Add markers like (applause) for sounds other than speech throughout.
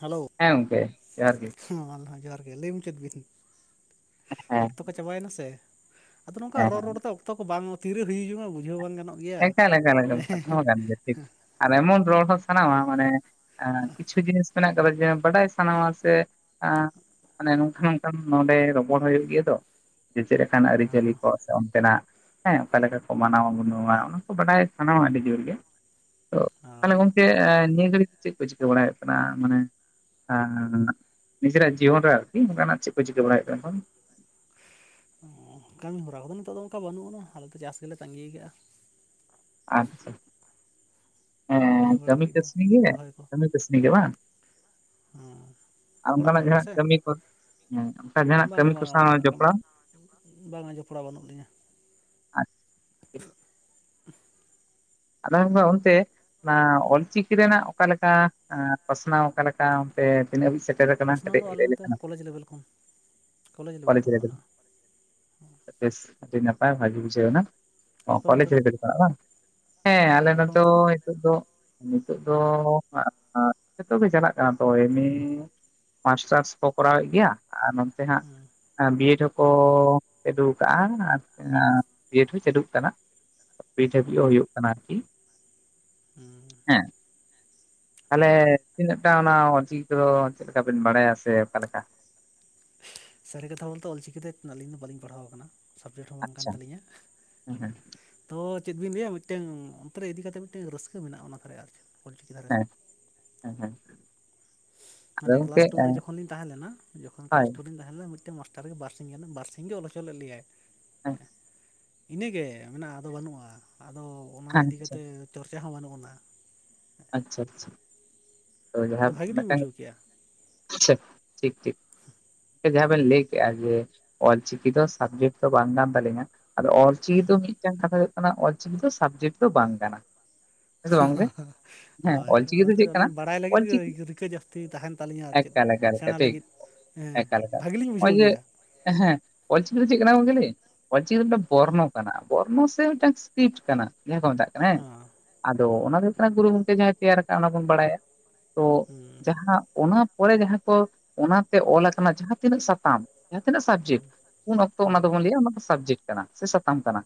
Hello. ᱦᱮᱸ ᱜᱚᱝᱠᱮ ᱡᱚᱦᱟᱨ ᱜᱮ᱾ ᱦᱮᱸ ᱚᱱᱟᱜᱮ ᱞᱟᱹᱭ ᱢᱩᱪᱟᱹᱫ ᱵᱤᱱ ᱦᱮᱸ ᱚᱠᱛᱚ ᱠᱚ ᱪᱟᱵᱟᱭᱮᱱᱟ ᱥᱮ? ᱟᱫᱚ ᱱᱚᱝᱠᱟ ᱦᱮᱸ ᱨᱚᱲ ᱦᱮᱸ᱾ ᱨᱚᱲᱛᱮ ᱚᱠᱛᱚ ᱠᱚ ᱵᱟᱝ ᱛᱤᱨᱮ ᱦᱩᱭ ᱡᱚᱝᱼᱟ ᱵᱩᱡᱷᱟᱹᱣ ᱵᱟᱝ ᱜᱟᱱᱚᱜᱼᱟ ᱮᱠᱟᱞ ᱮᱠᱟᱞ ᱮᱠᱟᱞ ᱠᱟᱛᱷᱟ ᱦᱚᱸ ᱠᱟᱱ ᱜᱮᱭᱟ ᱴᱷᱤᱠ ᱟᱨ ᱮᱢᱚᱱ ᱨᱚᱲ ᱦᱚᱸ ᱥᱟᱱᱟᱣᱟ ᱢᱟᱱᱮ ᱟᱸ ᱠᱤᱪᱷᱩ ᱡᱤᱱᱤᱥ ᱢᱮᱱᱟᱜ ᱠᱟᱫᱟ ᱡᱮ ᱵᱟᱰᱟᱭ ᱥᱟᱱᱟᱣᱟ ᱥᱮ ᱟᱸ ᱢᱟᱱᱮ ᱱᱚᱝᱠᱟ ᱱᱚᱝᱠᱟᱱ ᱱᱚᱸᱰᱮ ᱨᱚᱯᱚᱲ ᱦᱩᱭᱩᱜ ᱜᱮᱭᱟ ᱛᱚ ᱡᱮ ᱪᱮᱫ ᱞᱮᱠᱟᱱ ᱟᱹᱨᱤᱪᱟᱹᱞᱤ ᱠᱚ ᱥᱮ ᱚᱱᱛᱮᱱᱟᱜ ᱦᱮᱸ ᱚᱠᱟ ᱞᱮᱠᱟ ᱠᱚ ᱢᱟᱱᱟᱣᱟ ᱜᱩᱱᱟᱹᱣᱟ ᱚᱱᱟ ᱠᱚ ᱵᱟᱰᱟᱭ ᱥᱟᱱᱟᱣᱟ ᱟᱹᱰᱤ ᱡᱳᱨ ᱜᱮ ᱛᱚ ᱛᱟᱦᱚᱞᱮ ᱦᱚᱸ ᱜᱚᱢᱠᱮ ᱮᱸ ᱱᱤᱭᱟᱹ ᱜᱷᱟᱹᱲᱤᱡ ᱫᱚ ᱪᱮᱫ ᱠᱚ ᱪᱤᱠᱟᱹ ᱵᱟᱲᱟ ᱦᱩᱭᱩᱜ ᱠᱟᱱᱟ ᱢᱟᱱᱮ ᱮᱸᱜᱻ ᱱᱤᱡᱮᱨᱟᱜ ᱡᱤᱭᱚᱱ ᱨᱮ ᱟᱨᱠᱤ ᱚᱱᱠᱟᱱᱟᱜ ᱪᱮᱫ ᱠᱚ ᱪᱤᱠᱟᱹ ᱵᱟᱲᱟᱭᱮᱫ ᱦᱩᱭᱩᱜ ᱠᱟᱱᱟ? ᱚ ᱠᱟᱹᱢᱤ ᱦᱚᱨᱟ ᱠᱚᱫᱚ ᱱᱤᱛᱚᱜ ᱫᱚ ᱚᱱᱠᱟ ᱵᱟᱹᱱᱩᱜ ᱟᱱᱟ ᱟᱞᱮ ᱫᱚ ᱪᱟᱥ ᱜᱮᱞᱮ ᱛᱟᱸᱜᱤ ᱠᱟᱜᱼᱟ ᱟᱪᱪᱷᱟ ᱦᱮᱸ ᱵᱟᱲᱟ ᱠᱟᱹᱢᱤ ᱞᱟᱹᱜᱤᱫ ᱫᱚ ᱠᱟᱹᱥᱱᱤ ᱜᱮ ᱨᱚᱦᱚᱭ ᱠᱟᱹᱢᱤ ᱠᱟᱹᱥᱱᱤ ᱜᱮ ᱵᱟᱝ ᱦᱚᱸ ᱟᱨ ᱚᱱᱠᱟᱱᱟᱜ ᱡᱟᱦᱟᱱᱟᱜ ᱠᱟᱹᱢᱤ ᱠᱚ ᱦᱮᱸ ᱚᱱᱠᱟ ᱡᱟᱦᱟᱱᱟᱜ ᱠᱟᱹᱢᱤ ᱵᱟᱝᱟ ᱠᱚ ᱵᱟᱝᱟ ᱥᱟᱶ ᱚᱱᱠᱟᱱᱟᱜ ᱠᱟᱹᱢᱤ ᱡᱚᱯᱲᱟᱣ ᱵᱟᱝᱟ ᱡᱚᱯᱲᱟᱣ ᱵᱟᱹᱱᱩᱜ ᱞᱤᱧᱟ ᱟᱨᱠᱤ ᱟᱫᱚ ᱢᱮᱱᱮ ᱚᱱᱛᱮ ᱚᱱᱟ ᱚᱞᱪᱤᱠᱤ ᱨᱮᱱᱟᱜ ᱚᱠᱟᱞᱮᱠᱟ ᱯᱟᱥᱱᱟᱣ ᱚᱠᱟᱞᱮᱠᱟ ᱛᱮ ᱛᱤᱱᱟᱹᱜ ᱦᱟᱵᱤᱡ ᱥᱮᱴᱮᱨ ᱟᱠᱟᱱᱟ ᱯᱟᱥᱱᱟᱣ ᱠᱟᱹᱴᱤᱡ ᱫᱚ ᱟᱞᱮ ᱞᱟᱹᱭ ᱱᱚᱛᱮ ᱠᱟᱱᱟ ᱠᱚᱞᱮᱡᱽ ᱞᱮᱵᱮᱞ ᱠᱷᱚᱱ ᱠᱚᱞᱮᱡᱽ ᱞᱮᱵᱮᱞ ᱵᱮᱥ ᱟᱹᱰᱤ ᱱᱟᱯᱟᱭ ᱵᱷᱟᱜᱮ ᱵᱩᱡᱷᱟᱹᱣᱱᱟ ᱱᱚᱣᱟ ᱟᱯᱮ ᱚᱱᱛᱮ ᱠᱚᱞᱮᱡᱽ ᱫᱚ ᱨᱮ ᱪᱟᱜ ᱵᱟᱝ ᱦᱮᱸ ᱟᱞᱮ ᱟᱯᱮ ᱱᱤᱛᱚ ᱚᱱᱛᱮ ᱫᱚ ᱱᱤᱛᱚᱜ ᱫᱚ ᱱᱤᱛᱚᱜ ᱫᱚ ᱡᱚᱛᱚᱜ ᱜᱮ ᱪᱟᱞᱟᱜ ᱠᱟᱱᱟ ᱛᱚ ᱮ. ᱢᱮ ᱢᱟᱥᱴᱟᱨᱥ ᱠᱚ ᱠᱚᱨᱟᱣᱮᱫ ᱜᱮᱭᱟ ᱟᱨ ᱱᱚᱱᱛᱮ ᱦᱟᱸᱜ ᱦᱮᱸ ᱵᱤᱭᱮᱰ ᱦᱚᱸᱠᱚ ᱪᱟᱹᱞᱩ ᱠᱟᱜᱼᱟ ᱟᱨ ᱵᱤᱭᱮᱰ ᱦᱚᱸ ᱪᱟᱹᱞᱩᱜ ᱠᱟᱱᱟ (unintelligible) ᱱᱤ ᱰᱟᱵᱞᱤᱭᱳ ᱦᱩᱭᱩᱜ ᱠᱟᱱᱟ ᱟᱨᱠᱤ ᱦᱮᱸ ᱛᱟᱞᱦᱮ ᱦᱳᱭ ᱛᱤᱱᱟᱹᱜ ᱴᱟ ᱚᱱᱟ ᱚᱞ ᱪᱤᱠᱤ ᱠᱚᱫᱚ ᱪᱮᱫ ᱞᱮᱠᱟ ᱵᱮᱱ ᱵᱟᱲᱟᱭᱟ ᱥᱮ ᱚᱠᱟ ᱞᱮᱠᱟ? ᱥᱟᱹᱨᱤ ᱠᱟᱛᱷᱟ ᱵᱚᱞᱛᱮ ᱚᱞᱪᱤᱠᱤᱛᱮ ᱟᱹᱞᱤᱧ ᱫᱚ ᱵᱟᱹᱞᱤᱧ ᱯᱟᱲᱦᱟᱣ ᱟᱠᱟᱱᱟ ᱥᱟᱵᱡᱮᱠᱴ ᱦᱚᱸ ᱵᱟᱝ ᱠᱟᱱ ᱟᱪᱪᱷᱟ ᱛᱟᱹᱞᱤᱧᱟ ᱦᱮᱸ ᱦᱮᱸ ᱛᱚ ᱪᱮᱫ ᱵᱤᱱ ᱞᱟᱹᱭᱟ ᱢᱤᱫᱴᱮᱱ ᱚᱱᱛᱮᱨᱮ ᱤᱫᱤ ᱠᱟ ᱠᱟᱛᱮᱫ ᱢᱤᱫᱴᱟᱝ ᱨᱟᱹᱥᱠᱟᱹ ᱢᱮᱱᱟᱜᱼᱟ ᱚᱱᱟ ᱠᱚᱨᱮ ᱟᱨ ᱚᱞᱪᱤᱠᱤ ᱫᱷᱟᱨᱮᱫ ᱦᱮᱸ ᱦᱮᱸ ᱟᱫᱚ ᱢᱟᱱᱮ ᱜᱚᱝᱠᱮ ᱠᱞᱟᱥ ᱴᱩ ᱨᱮ ᱡᱚᱠᱷᱚᱱᱤᱧ ᱛᱟᱦᱮᱸ ᱞᱮᱱᱟ ᱡᱚᱠᱷᱚᱱ ᱠᱞᱟᱥ ᱦᱳᱭ ᱴᱩᱨ ᱨᱤᱧ ᱛᱟᱦᱮᱸᱱᱟ ᱢᱤᱫᱴᱮᱱ ᱢᱟᱥᱴᱟᱨ ᱜᱮ ᱵᱟᱨᱥᱤᱧ ᱜᱟᱱ ᱵᱟᱨᱥᱤᱧ ᱜᱮ ᱚᱞ ᱦᱚᱪᱚ ᱞᱮᱫ ᱞᱮᱭᱟᱭ ᱟᱪᱪᱷᱟ ᱦᱮᱸ ᱤᱱᱟᱹᱜᱮ ᱢᱮᱱᱟᱜᱼᱟ ᱟᱫᱚ ᱵᱟᱹᱱᱩᱜᱼᱟ ᱟᱫᱚ ᱚᱱᱟ ᱤᱫᱤ ᱟᱪᱪᱷᱟ ᱠᱟᱛᱮ ᱪᱚᱨᱪᱟ ᱦᱚᱸ ᱵᱟᱹᱱᱩᱜ ᱟᱱᱟ ᱟᱪᱪᱷᱟ ᱟᱪᱪᱷᱟ ᱛᱚ ᱟᱫᱚ ᱡᱟᱦᱟᱸ ᱵᱷᱟᱜᱮ ᱞᱤᱧ ᱢᱮᱫᱴᱟᱝ ᱵᱩᱡᱷᱟᱹᱣ ᱠᱮᱜᱼᱟ ᱟᱪᱪᱷᱟ ᱴᱷᱤᱠ ᱴᱷᱤᱠ ᱡᱟᱦᱟᱸ ᱵᱮᱱ ᱞᱟᱹᱭ ᱠᱮᱜᱼᱟ ᱡᱮ ᱚᱞ ᱪᱤᱠᱤ ᱫᱚ ᱥᱟᱵᱡᱮᱠᱴ ᱫᱚ ᱵᱟᱝ ᱠᱟᱱ ᱛᱟᱞᱤᱧᱟ ᱟᱫᱚ ᱚᱞᱪᱤᱠᱤ ᱫᱚ ᱢᱤᱫᱴᱟᱝ ᱠᱟᱛᱷᱟ ᱦᱩᱭᱩᱜ ᱠᱟᱱᱟ ᱚᱞᱪᱤᱠᱤ ᱫᱚ ᱥᱟᱵᱽᱡᱮᱠᱴ ᱫᱚ ᱵᱟᱝ ᱠᱟᱱᱟ ᱦᱮᱸ ᱥᱮ ᱵᱟᱝ ᱜᱚᱝᱠᱮ? ᱦᱮᱸ ᱦᱳᱭ ᱚᱞᱪᱤᱠᱤ ᱫᱚ ᱚᱱᱟᱛᱮ ᱪᱮᱫ ᱠᱟᱱᱟ ᱟᱹᱞᱤᱧ ᱵᱟᱲᱟᱭ ᱞᱟᱹᱜᱤᱫ ᱚᱞᱪᱤᱠᱤ ᱨᱤᱠᱟᱹ ᱡᱟᱹᱥᱛᱤ ᱛᱟᱦᱮᱱ ᱛᱟᱹᱞᱤᱧᱟ ᱟᱨ ᱪᱮᱫ ᱮᱠᱟᱞ ᱮᱠᱟᱞ ᱥᱮᱸᱲᱟ ᱴᱷᱤᱠ ᱞᱟᱹᱜᱤᱫ ᱮᱸ ᱮᱠᱟᱞ ᱮᱠᱟᱞ ᱵᱷᱟᱜ ᱞᱤᱧ ᱱᱚᱜᱼᱚᱭ ᱵᱩᱡᱷᱟᱹᱣ ᱡᱮ ᱜᱮᱭᱟ ᱦᱮᱸ ᱚᱞ ᱪᱤᱠᱤ ᱫᱚ ᱪᱮᱫ ᱠᱟᱱᱟ ᱜᱚᱝᱠᱮ ᱞᱟᱹᱭᱤᱧ ᱚᱞ ᱪᱤᱠᱤ ᱫᱚ ᱢᱤᱫᱴᱮᱱ ᱵᱚᱨᱱᱚ ᱠᱟᱱᱟ ᱵᱚᱨᱱᱚ ᱥᱮ ᱢᱤᱫᱴᱟᱝ ᱥᱠᱨᱤᱯᱴ ᱠᱟᱱᱟ ᱡᱟᱦᱟᱸ ᱠᱚ ᱢᱮᱛᱟᱜ ᱠᱟᱱᱟ ᱦᱮᱸ। ᱦᱚᱸ ᱟᱫᱚ ᱚᱱᱟ ᱫᱚ ᱦᱩᱭᱩᱜ ᱠᱟᱱᱟ ᱜᱩᱨᱩ ᱜᱚᱢᱠᱮ ᱡᱟᱦᱟᱸᱭ ᱛᱮᱭᱟᱨ ᱠᱟᱜᱼᱟ ᱚᱱᱟ ᱵᱚᱱ ᱵᱟᱲᱟᱭᱟ ᱛᱚ ᱦᱩᱸ ᱡᱟᱦᱟᱸ ᱚᱱᱟ ᱯᱚᱨᱮ ᱡᱟᱦᱟᱸ ᱠᱚ ᱚᱱᱟᱛᱮ ᱚᱞ ᱟᱠᱟᱱᱟ ᱡᱟᱦᱟᱸ ᱛᱤᱱᱟᱹᱜ ᱥᱟᱛᱟᱢ ᱡᱟᱦᱟᱸ ᱛᱤᱱᱟᱹᱜ ᱥᱟᱵᱡᱮᱠᱴ ᱩᱱ ᱚᱠᱛᱚ ᱚᱱᱟ ᱦᱩᱸ ᱫᱚᱵᱚᱱ ᱞᱟᱹᱭᱟ ᱚᱱᱟ ᱫᱚ ᱥᱟᱵᱡᱮᱠᱴ ᱠᱟᱱᱟ ᱥᱮ ᱥᱟᱛᱟᱢ ᱠᱟᱱᱟ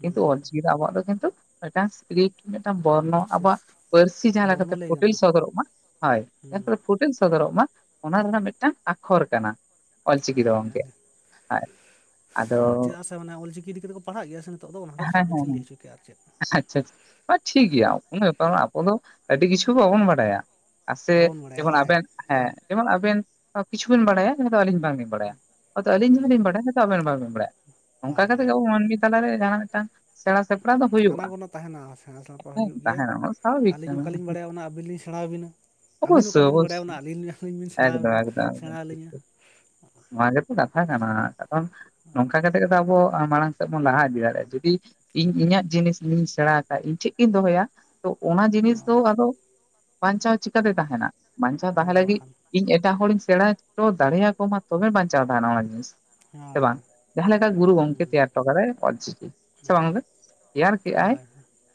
ᱠᱤᱱᱛᱩ ᱚᱞᱪᱤᱠᱤ ᱟᱵᱚᱣᱟ ᱫᱚ ᱠᱤᱱᱛᱩ ᱢᱤᱫᱴᱟᱝ ᱨᱤ ᱢᱤᱫᱴᱟᱝ ᱵᱚᱨᱱᱚ ᱟᱵᱚᱣᱟᱜ ᱥᱤᱠᱥ ᱯᱟᱹᱨᱥᱤ ᱡᱟᱦᱟᱸ ᱵᱚᱨᱱᱚ ᱞᱮᱠᱟᱛᱮ ᱞᱟᱹᱭ ᱯᱷᱳᱴᱮᱞ ᱜᱟᱱᱚᱜᱼᱟ ᱥᱚᱫᱚᱨᱚᱜ ᱢᱟ ᱦᱳᱭ ᱮᱠᱴᱩ ᱯᱷᱩᱴᱮᱞ ᱥᱚᱫᱚᱨᱚᱜ ᱢᱟ ᱚᱱᱟ ᱨᱮᱱᱟᱜ ᱨᱮᱱᱟᱜ ᱢᱤᱫᱴᱟᱝ ᱟᱠᱷᱚᱨ ᱠᱟᱱᱟ ᱚᱞ ᱪᱤᱠᱤ ᱫᱚ ᱦᱳᱭ ᱜᱚᱝᱠᱮ ᱦᱮᱸ, ᱪᱮᱫᱟᱜ ᱥᱮ ᱢᱟᱱᱮ ᱚᱞᱪᱤᱠᱤ ᱤᱫᱤ, ᱠᱟᱛᱮᱫ ᱠᱚ ᱯᱟᱲᱦᱟᱜ ᱜᱮᱭᱟ ᱥᱮ ᱱᱤᱛᱚᱜ ᱫᱚ, ᱚᱱᱟ ᱠᱷᱟᱛᱤᱨ ᱦᱮᱸ ᱥᱟᱵᱡᱮᱠᱴ ᱞᱤᱧ ᱞᱟᱹᱭ ᱦᱚᱪᱚ ᱠᱮᱼᱟ᱾ᱟᱨ ᱪᱮᱫ, ᱦᱸ ᱴᱷᱤᱠ ᱜᱮᱭᱟ, ᱠᱚᱱᱚ ᱵᱮᱯᱟᱨ ᱟᱵᱚ ᱫᱚ ᱟᱹᱰᱤ ᱠᱤᱪᱷᱩ ᱵᱟᱵᱚᱱ ᱵᱟᱰᱟᱭᱟ, ᱟᱨ ᱥᱮ ᱵᱟᱵᱚᱱ ᱵᱟᱲᱟᱭᱟ ᱡᱮᱢᱚᱱ ᱦᱳᱭ ᱟᱵᱮᱱ ᱦᱮᱸ ᱡᱮᱢᱚᱱ ᱟᱵᱮᱱ ᱠᱤᱪᱷᱩᱵᱤᱱ ᱵᱟᱲᱟᱭᱟ, ᱡᱟᱸᱦᱟ ᱫᱚ ᱟᱹᱞᱤᱧ ᱵᱟᱝ ᱞᱤᱧ ᱵᱟᱲᱟᱭᱟ ᱦᱚᱭᱛᱚ ᱟᱹᱞᱤᱧ ᱡᱟᱦᱟᱞᱤᱧ ᱵᱟᱲᱟᱭᱟ, ᱟᱵᱮᱱ ᱵᱟᱵᱮᱱ ᱵᱟᱲᱟᱭᱟ, ᱚᱱᱠᱟ ᱦᱳᱭ ᱠᱟᱛᱮᱜ ᱦᱳᱭ ᱜᱮ ᱟᱵᱚ ᱢᱟᱹᱱᱢᱤ ᱛᱟᱞᱟᱨᱮ ᱡᱟᱦᱟᱸ ᱱᱟᱜ ᱢᱤᱫᱴᱟᱝ, ᱥᱮᱬᱟ ᱥᱮᱯᱲᱟ ᱫᱚ ᱟᱱᱟ ᱦᱩᱭᱩᱜᱼᱟ ᱜᱚᱱᱟ ᱛᱟᱦᱮᱸᱱᱟ, ᱥᱮᱬᱟ ᱥᱮᱬᱟ ᱠᱚ ᱦᱮᱸ ᱦᱤᱡᱩᱜ ᱜᱮᱭᱟ, ᱛᱟᱦᱮᱱᱟ ᱚᱱᱟ ᱫᱚ ᱥᱟᱵᱷᱟᱵᱤᱠ ᱟᱹᱞᱤᱧ ᱠᱟᱱᱟ ᱚᱠᱟᱞᱤᱧ ᱵᱟᱲᱟᱭᱟ ᱚᱱᱟ ᱟᱵᱤᱱᱧᱤᱧ ᱥᱮᱬᱟᱵᱤᱱᱟ, ᱟᱹᱵᱤᱱ ᱚᱵᱚᱥᱥᱳᱭ ᱚᱠᱟ ᱵᱤᱱ ᱵᱟᱲᱟᱭᱟ, ᱚᱵᱚᱥᱥᱳᱭ ᱚᱱᱟ ᱟᱹᱞᱤᱧ-ᱟᱹᱞᱤᱧ ᱵᱤᱱ ᱥᱮᱬᱟ ᱟᱹᱞᱤᱧᱟ᱾ ᱱᱚᱶᱟ ᱜᱮᱛᱚ ᱠᱟᱛᱷᱟ ᱠᱟᱱᱟ, ᱠᱟᱨᱚᱱ ᱱᱚᱝ ᱠᱟ ᱠᱟᱛᱮ ᱠᱟᱛᱚ ᱟᱵᱚ, ᱢᱟᱲᱟᱝ ᱥᱮᱫ ᱵᱚᱱ ᱞᱟᱦᱟ ᱤᱫᱤ ᱫᱟᱲᱮᱭᱟᱜᱼᱟ, ᱡᱩᱫᱤ ᱤᱧ ᱤᱧᱟᱹᱜ ᱡᱤᱱᱤᱥ ᱤᱧ ᱥᱮᱬᱟ ᱠᱟᱜᱼᱟ, ᱤᱧ ᱴᱷᱮᱡ ᱜᱤᱧ ᱫᱚᱦᱚᱭᱟ, ᱛᱚ ᱚᱱᱟ ᱡᱤᱱᱤᱥ ᱫᱚ ᱟᱫᱚ ᱵᱟᱧᱪᱟᱣ ᱪᱤᱠᱟᱹ ᱛᱮᱭ ᱛᱟᱦᱮᱸᱱᱟ ᱵᱟᱧᱪᱟᱣ ᱟᱫᱚ ᱛᱟᱦᱮᱸ ᱞᱟᱹᱜᱤ ᱵᱟᱠᱷᱟᱱ ᱤᱧ ᱮᱴᱟᱜ ᱦᱚᱲᱤᱧ ᱥᱮᱬᱟ ᱦᱚᱪᱚ ᱫᱟᱲᱮᱭᱟᱠᱚ ᱢᱟ, ᱛᱚᱵᱮ ᱵᱟᱧᱪᱟᱣ ᱛᱟᱦᱮᱸᱱᱟ ᱚᱱᱟ ᱡᱤᱱᱤᱥ᱾ ᱥᱮ ᱦᱳᱭ ᱵᱟᱝ, ᱡᱟᱦᱟᱸ ᱞᱮᱠᱟ ᱜᱩᱨᱩ ᱜᱚᱝᱠᱮ ᱛᱮᱭᱟᱨ ᱴᱚ ᱠᱟᱫᱟᱭ ᱚᱞᱪᱤᱠᱤ᱾ ᱥᱮ ᱵᱟᱝ ᱫᱚ, ᱛᱮᱭᱟᱹᱨ ᱠᱮᱟᱭ ᱦᱳᱭ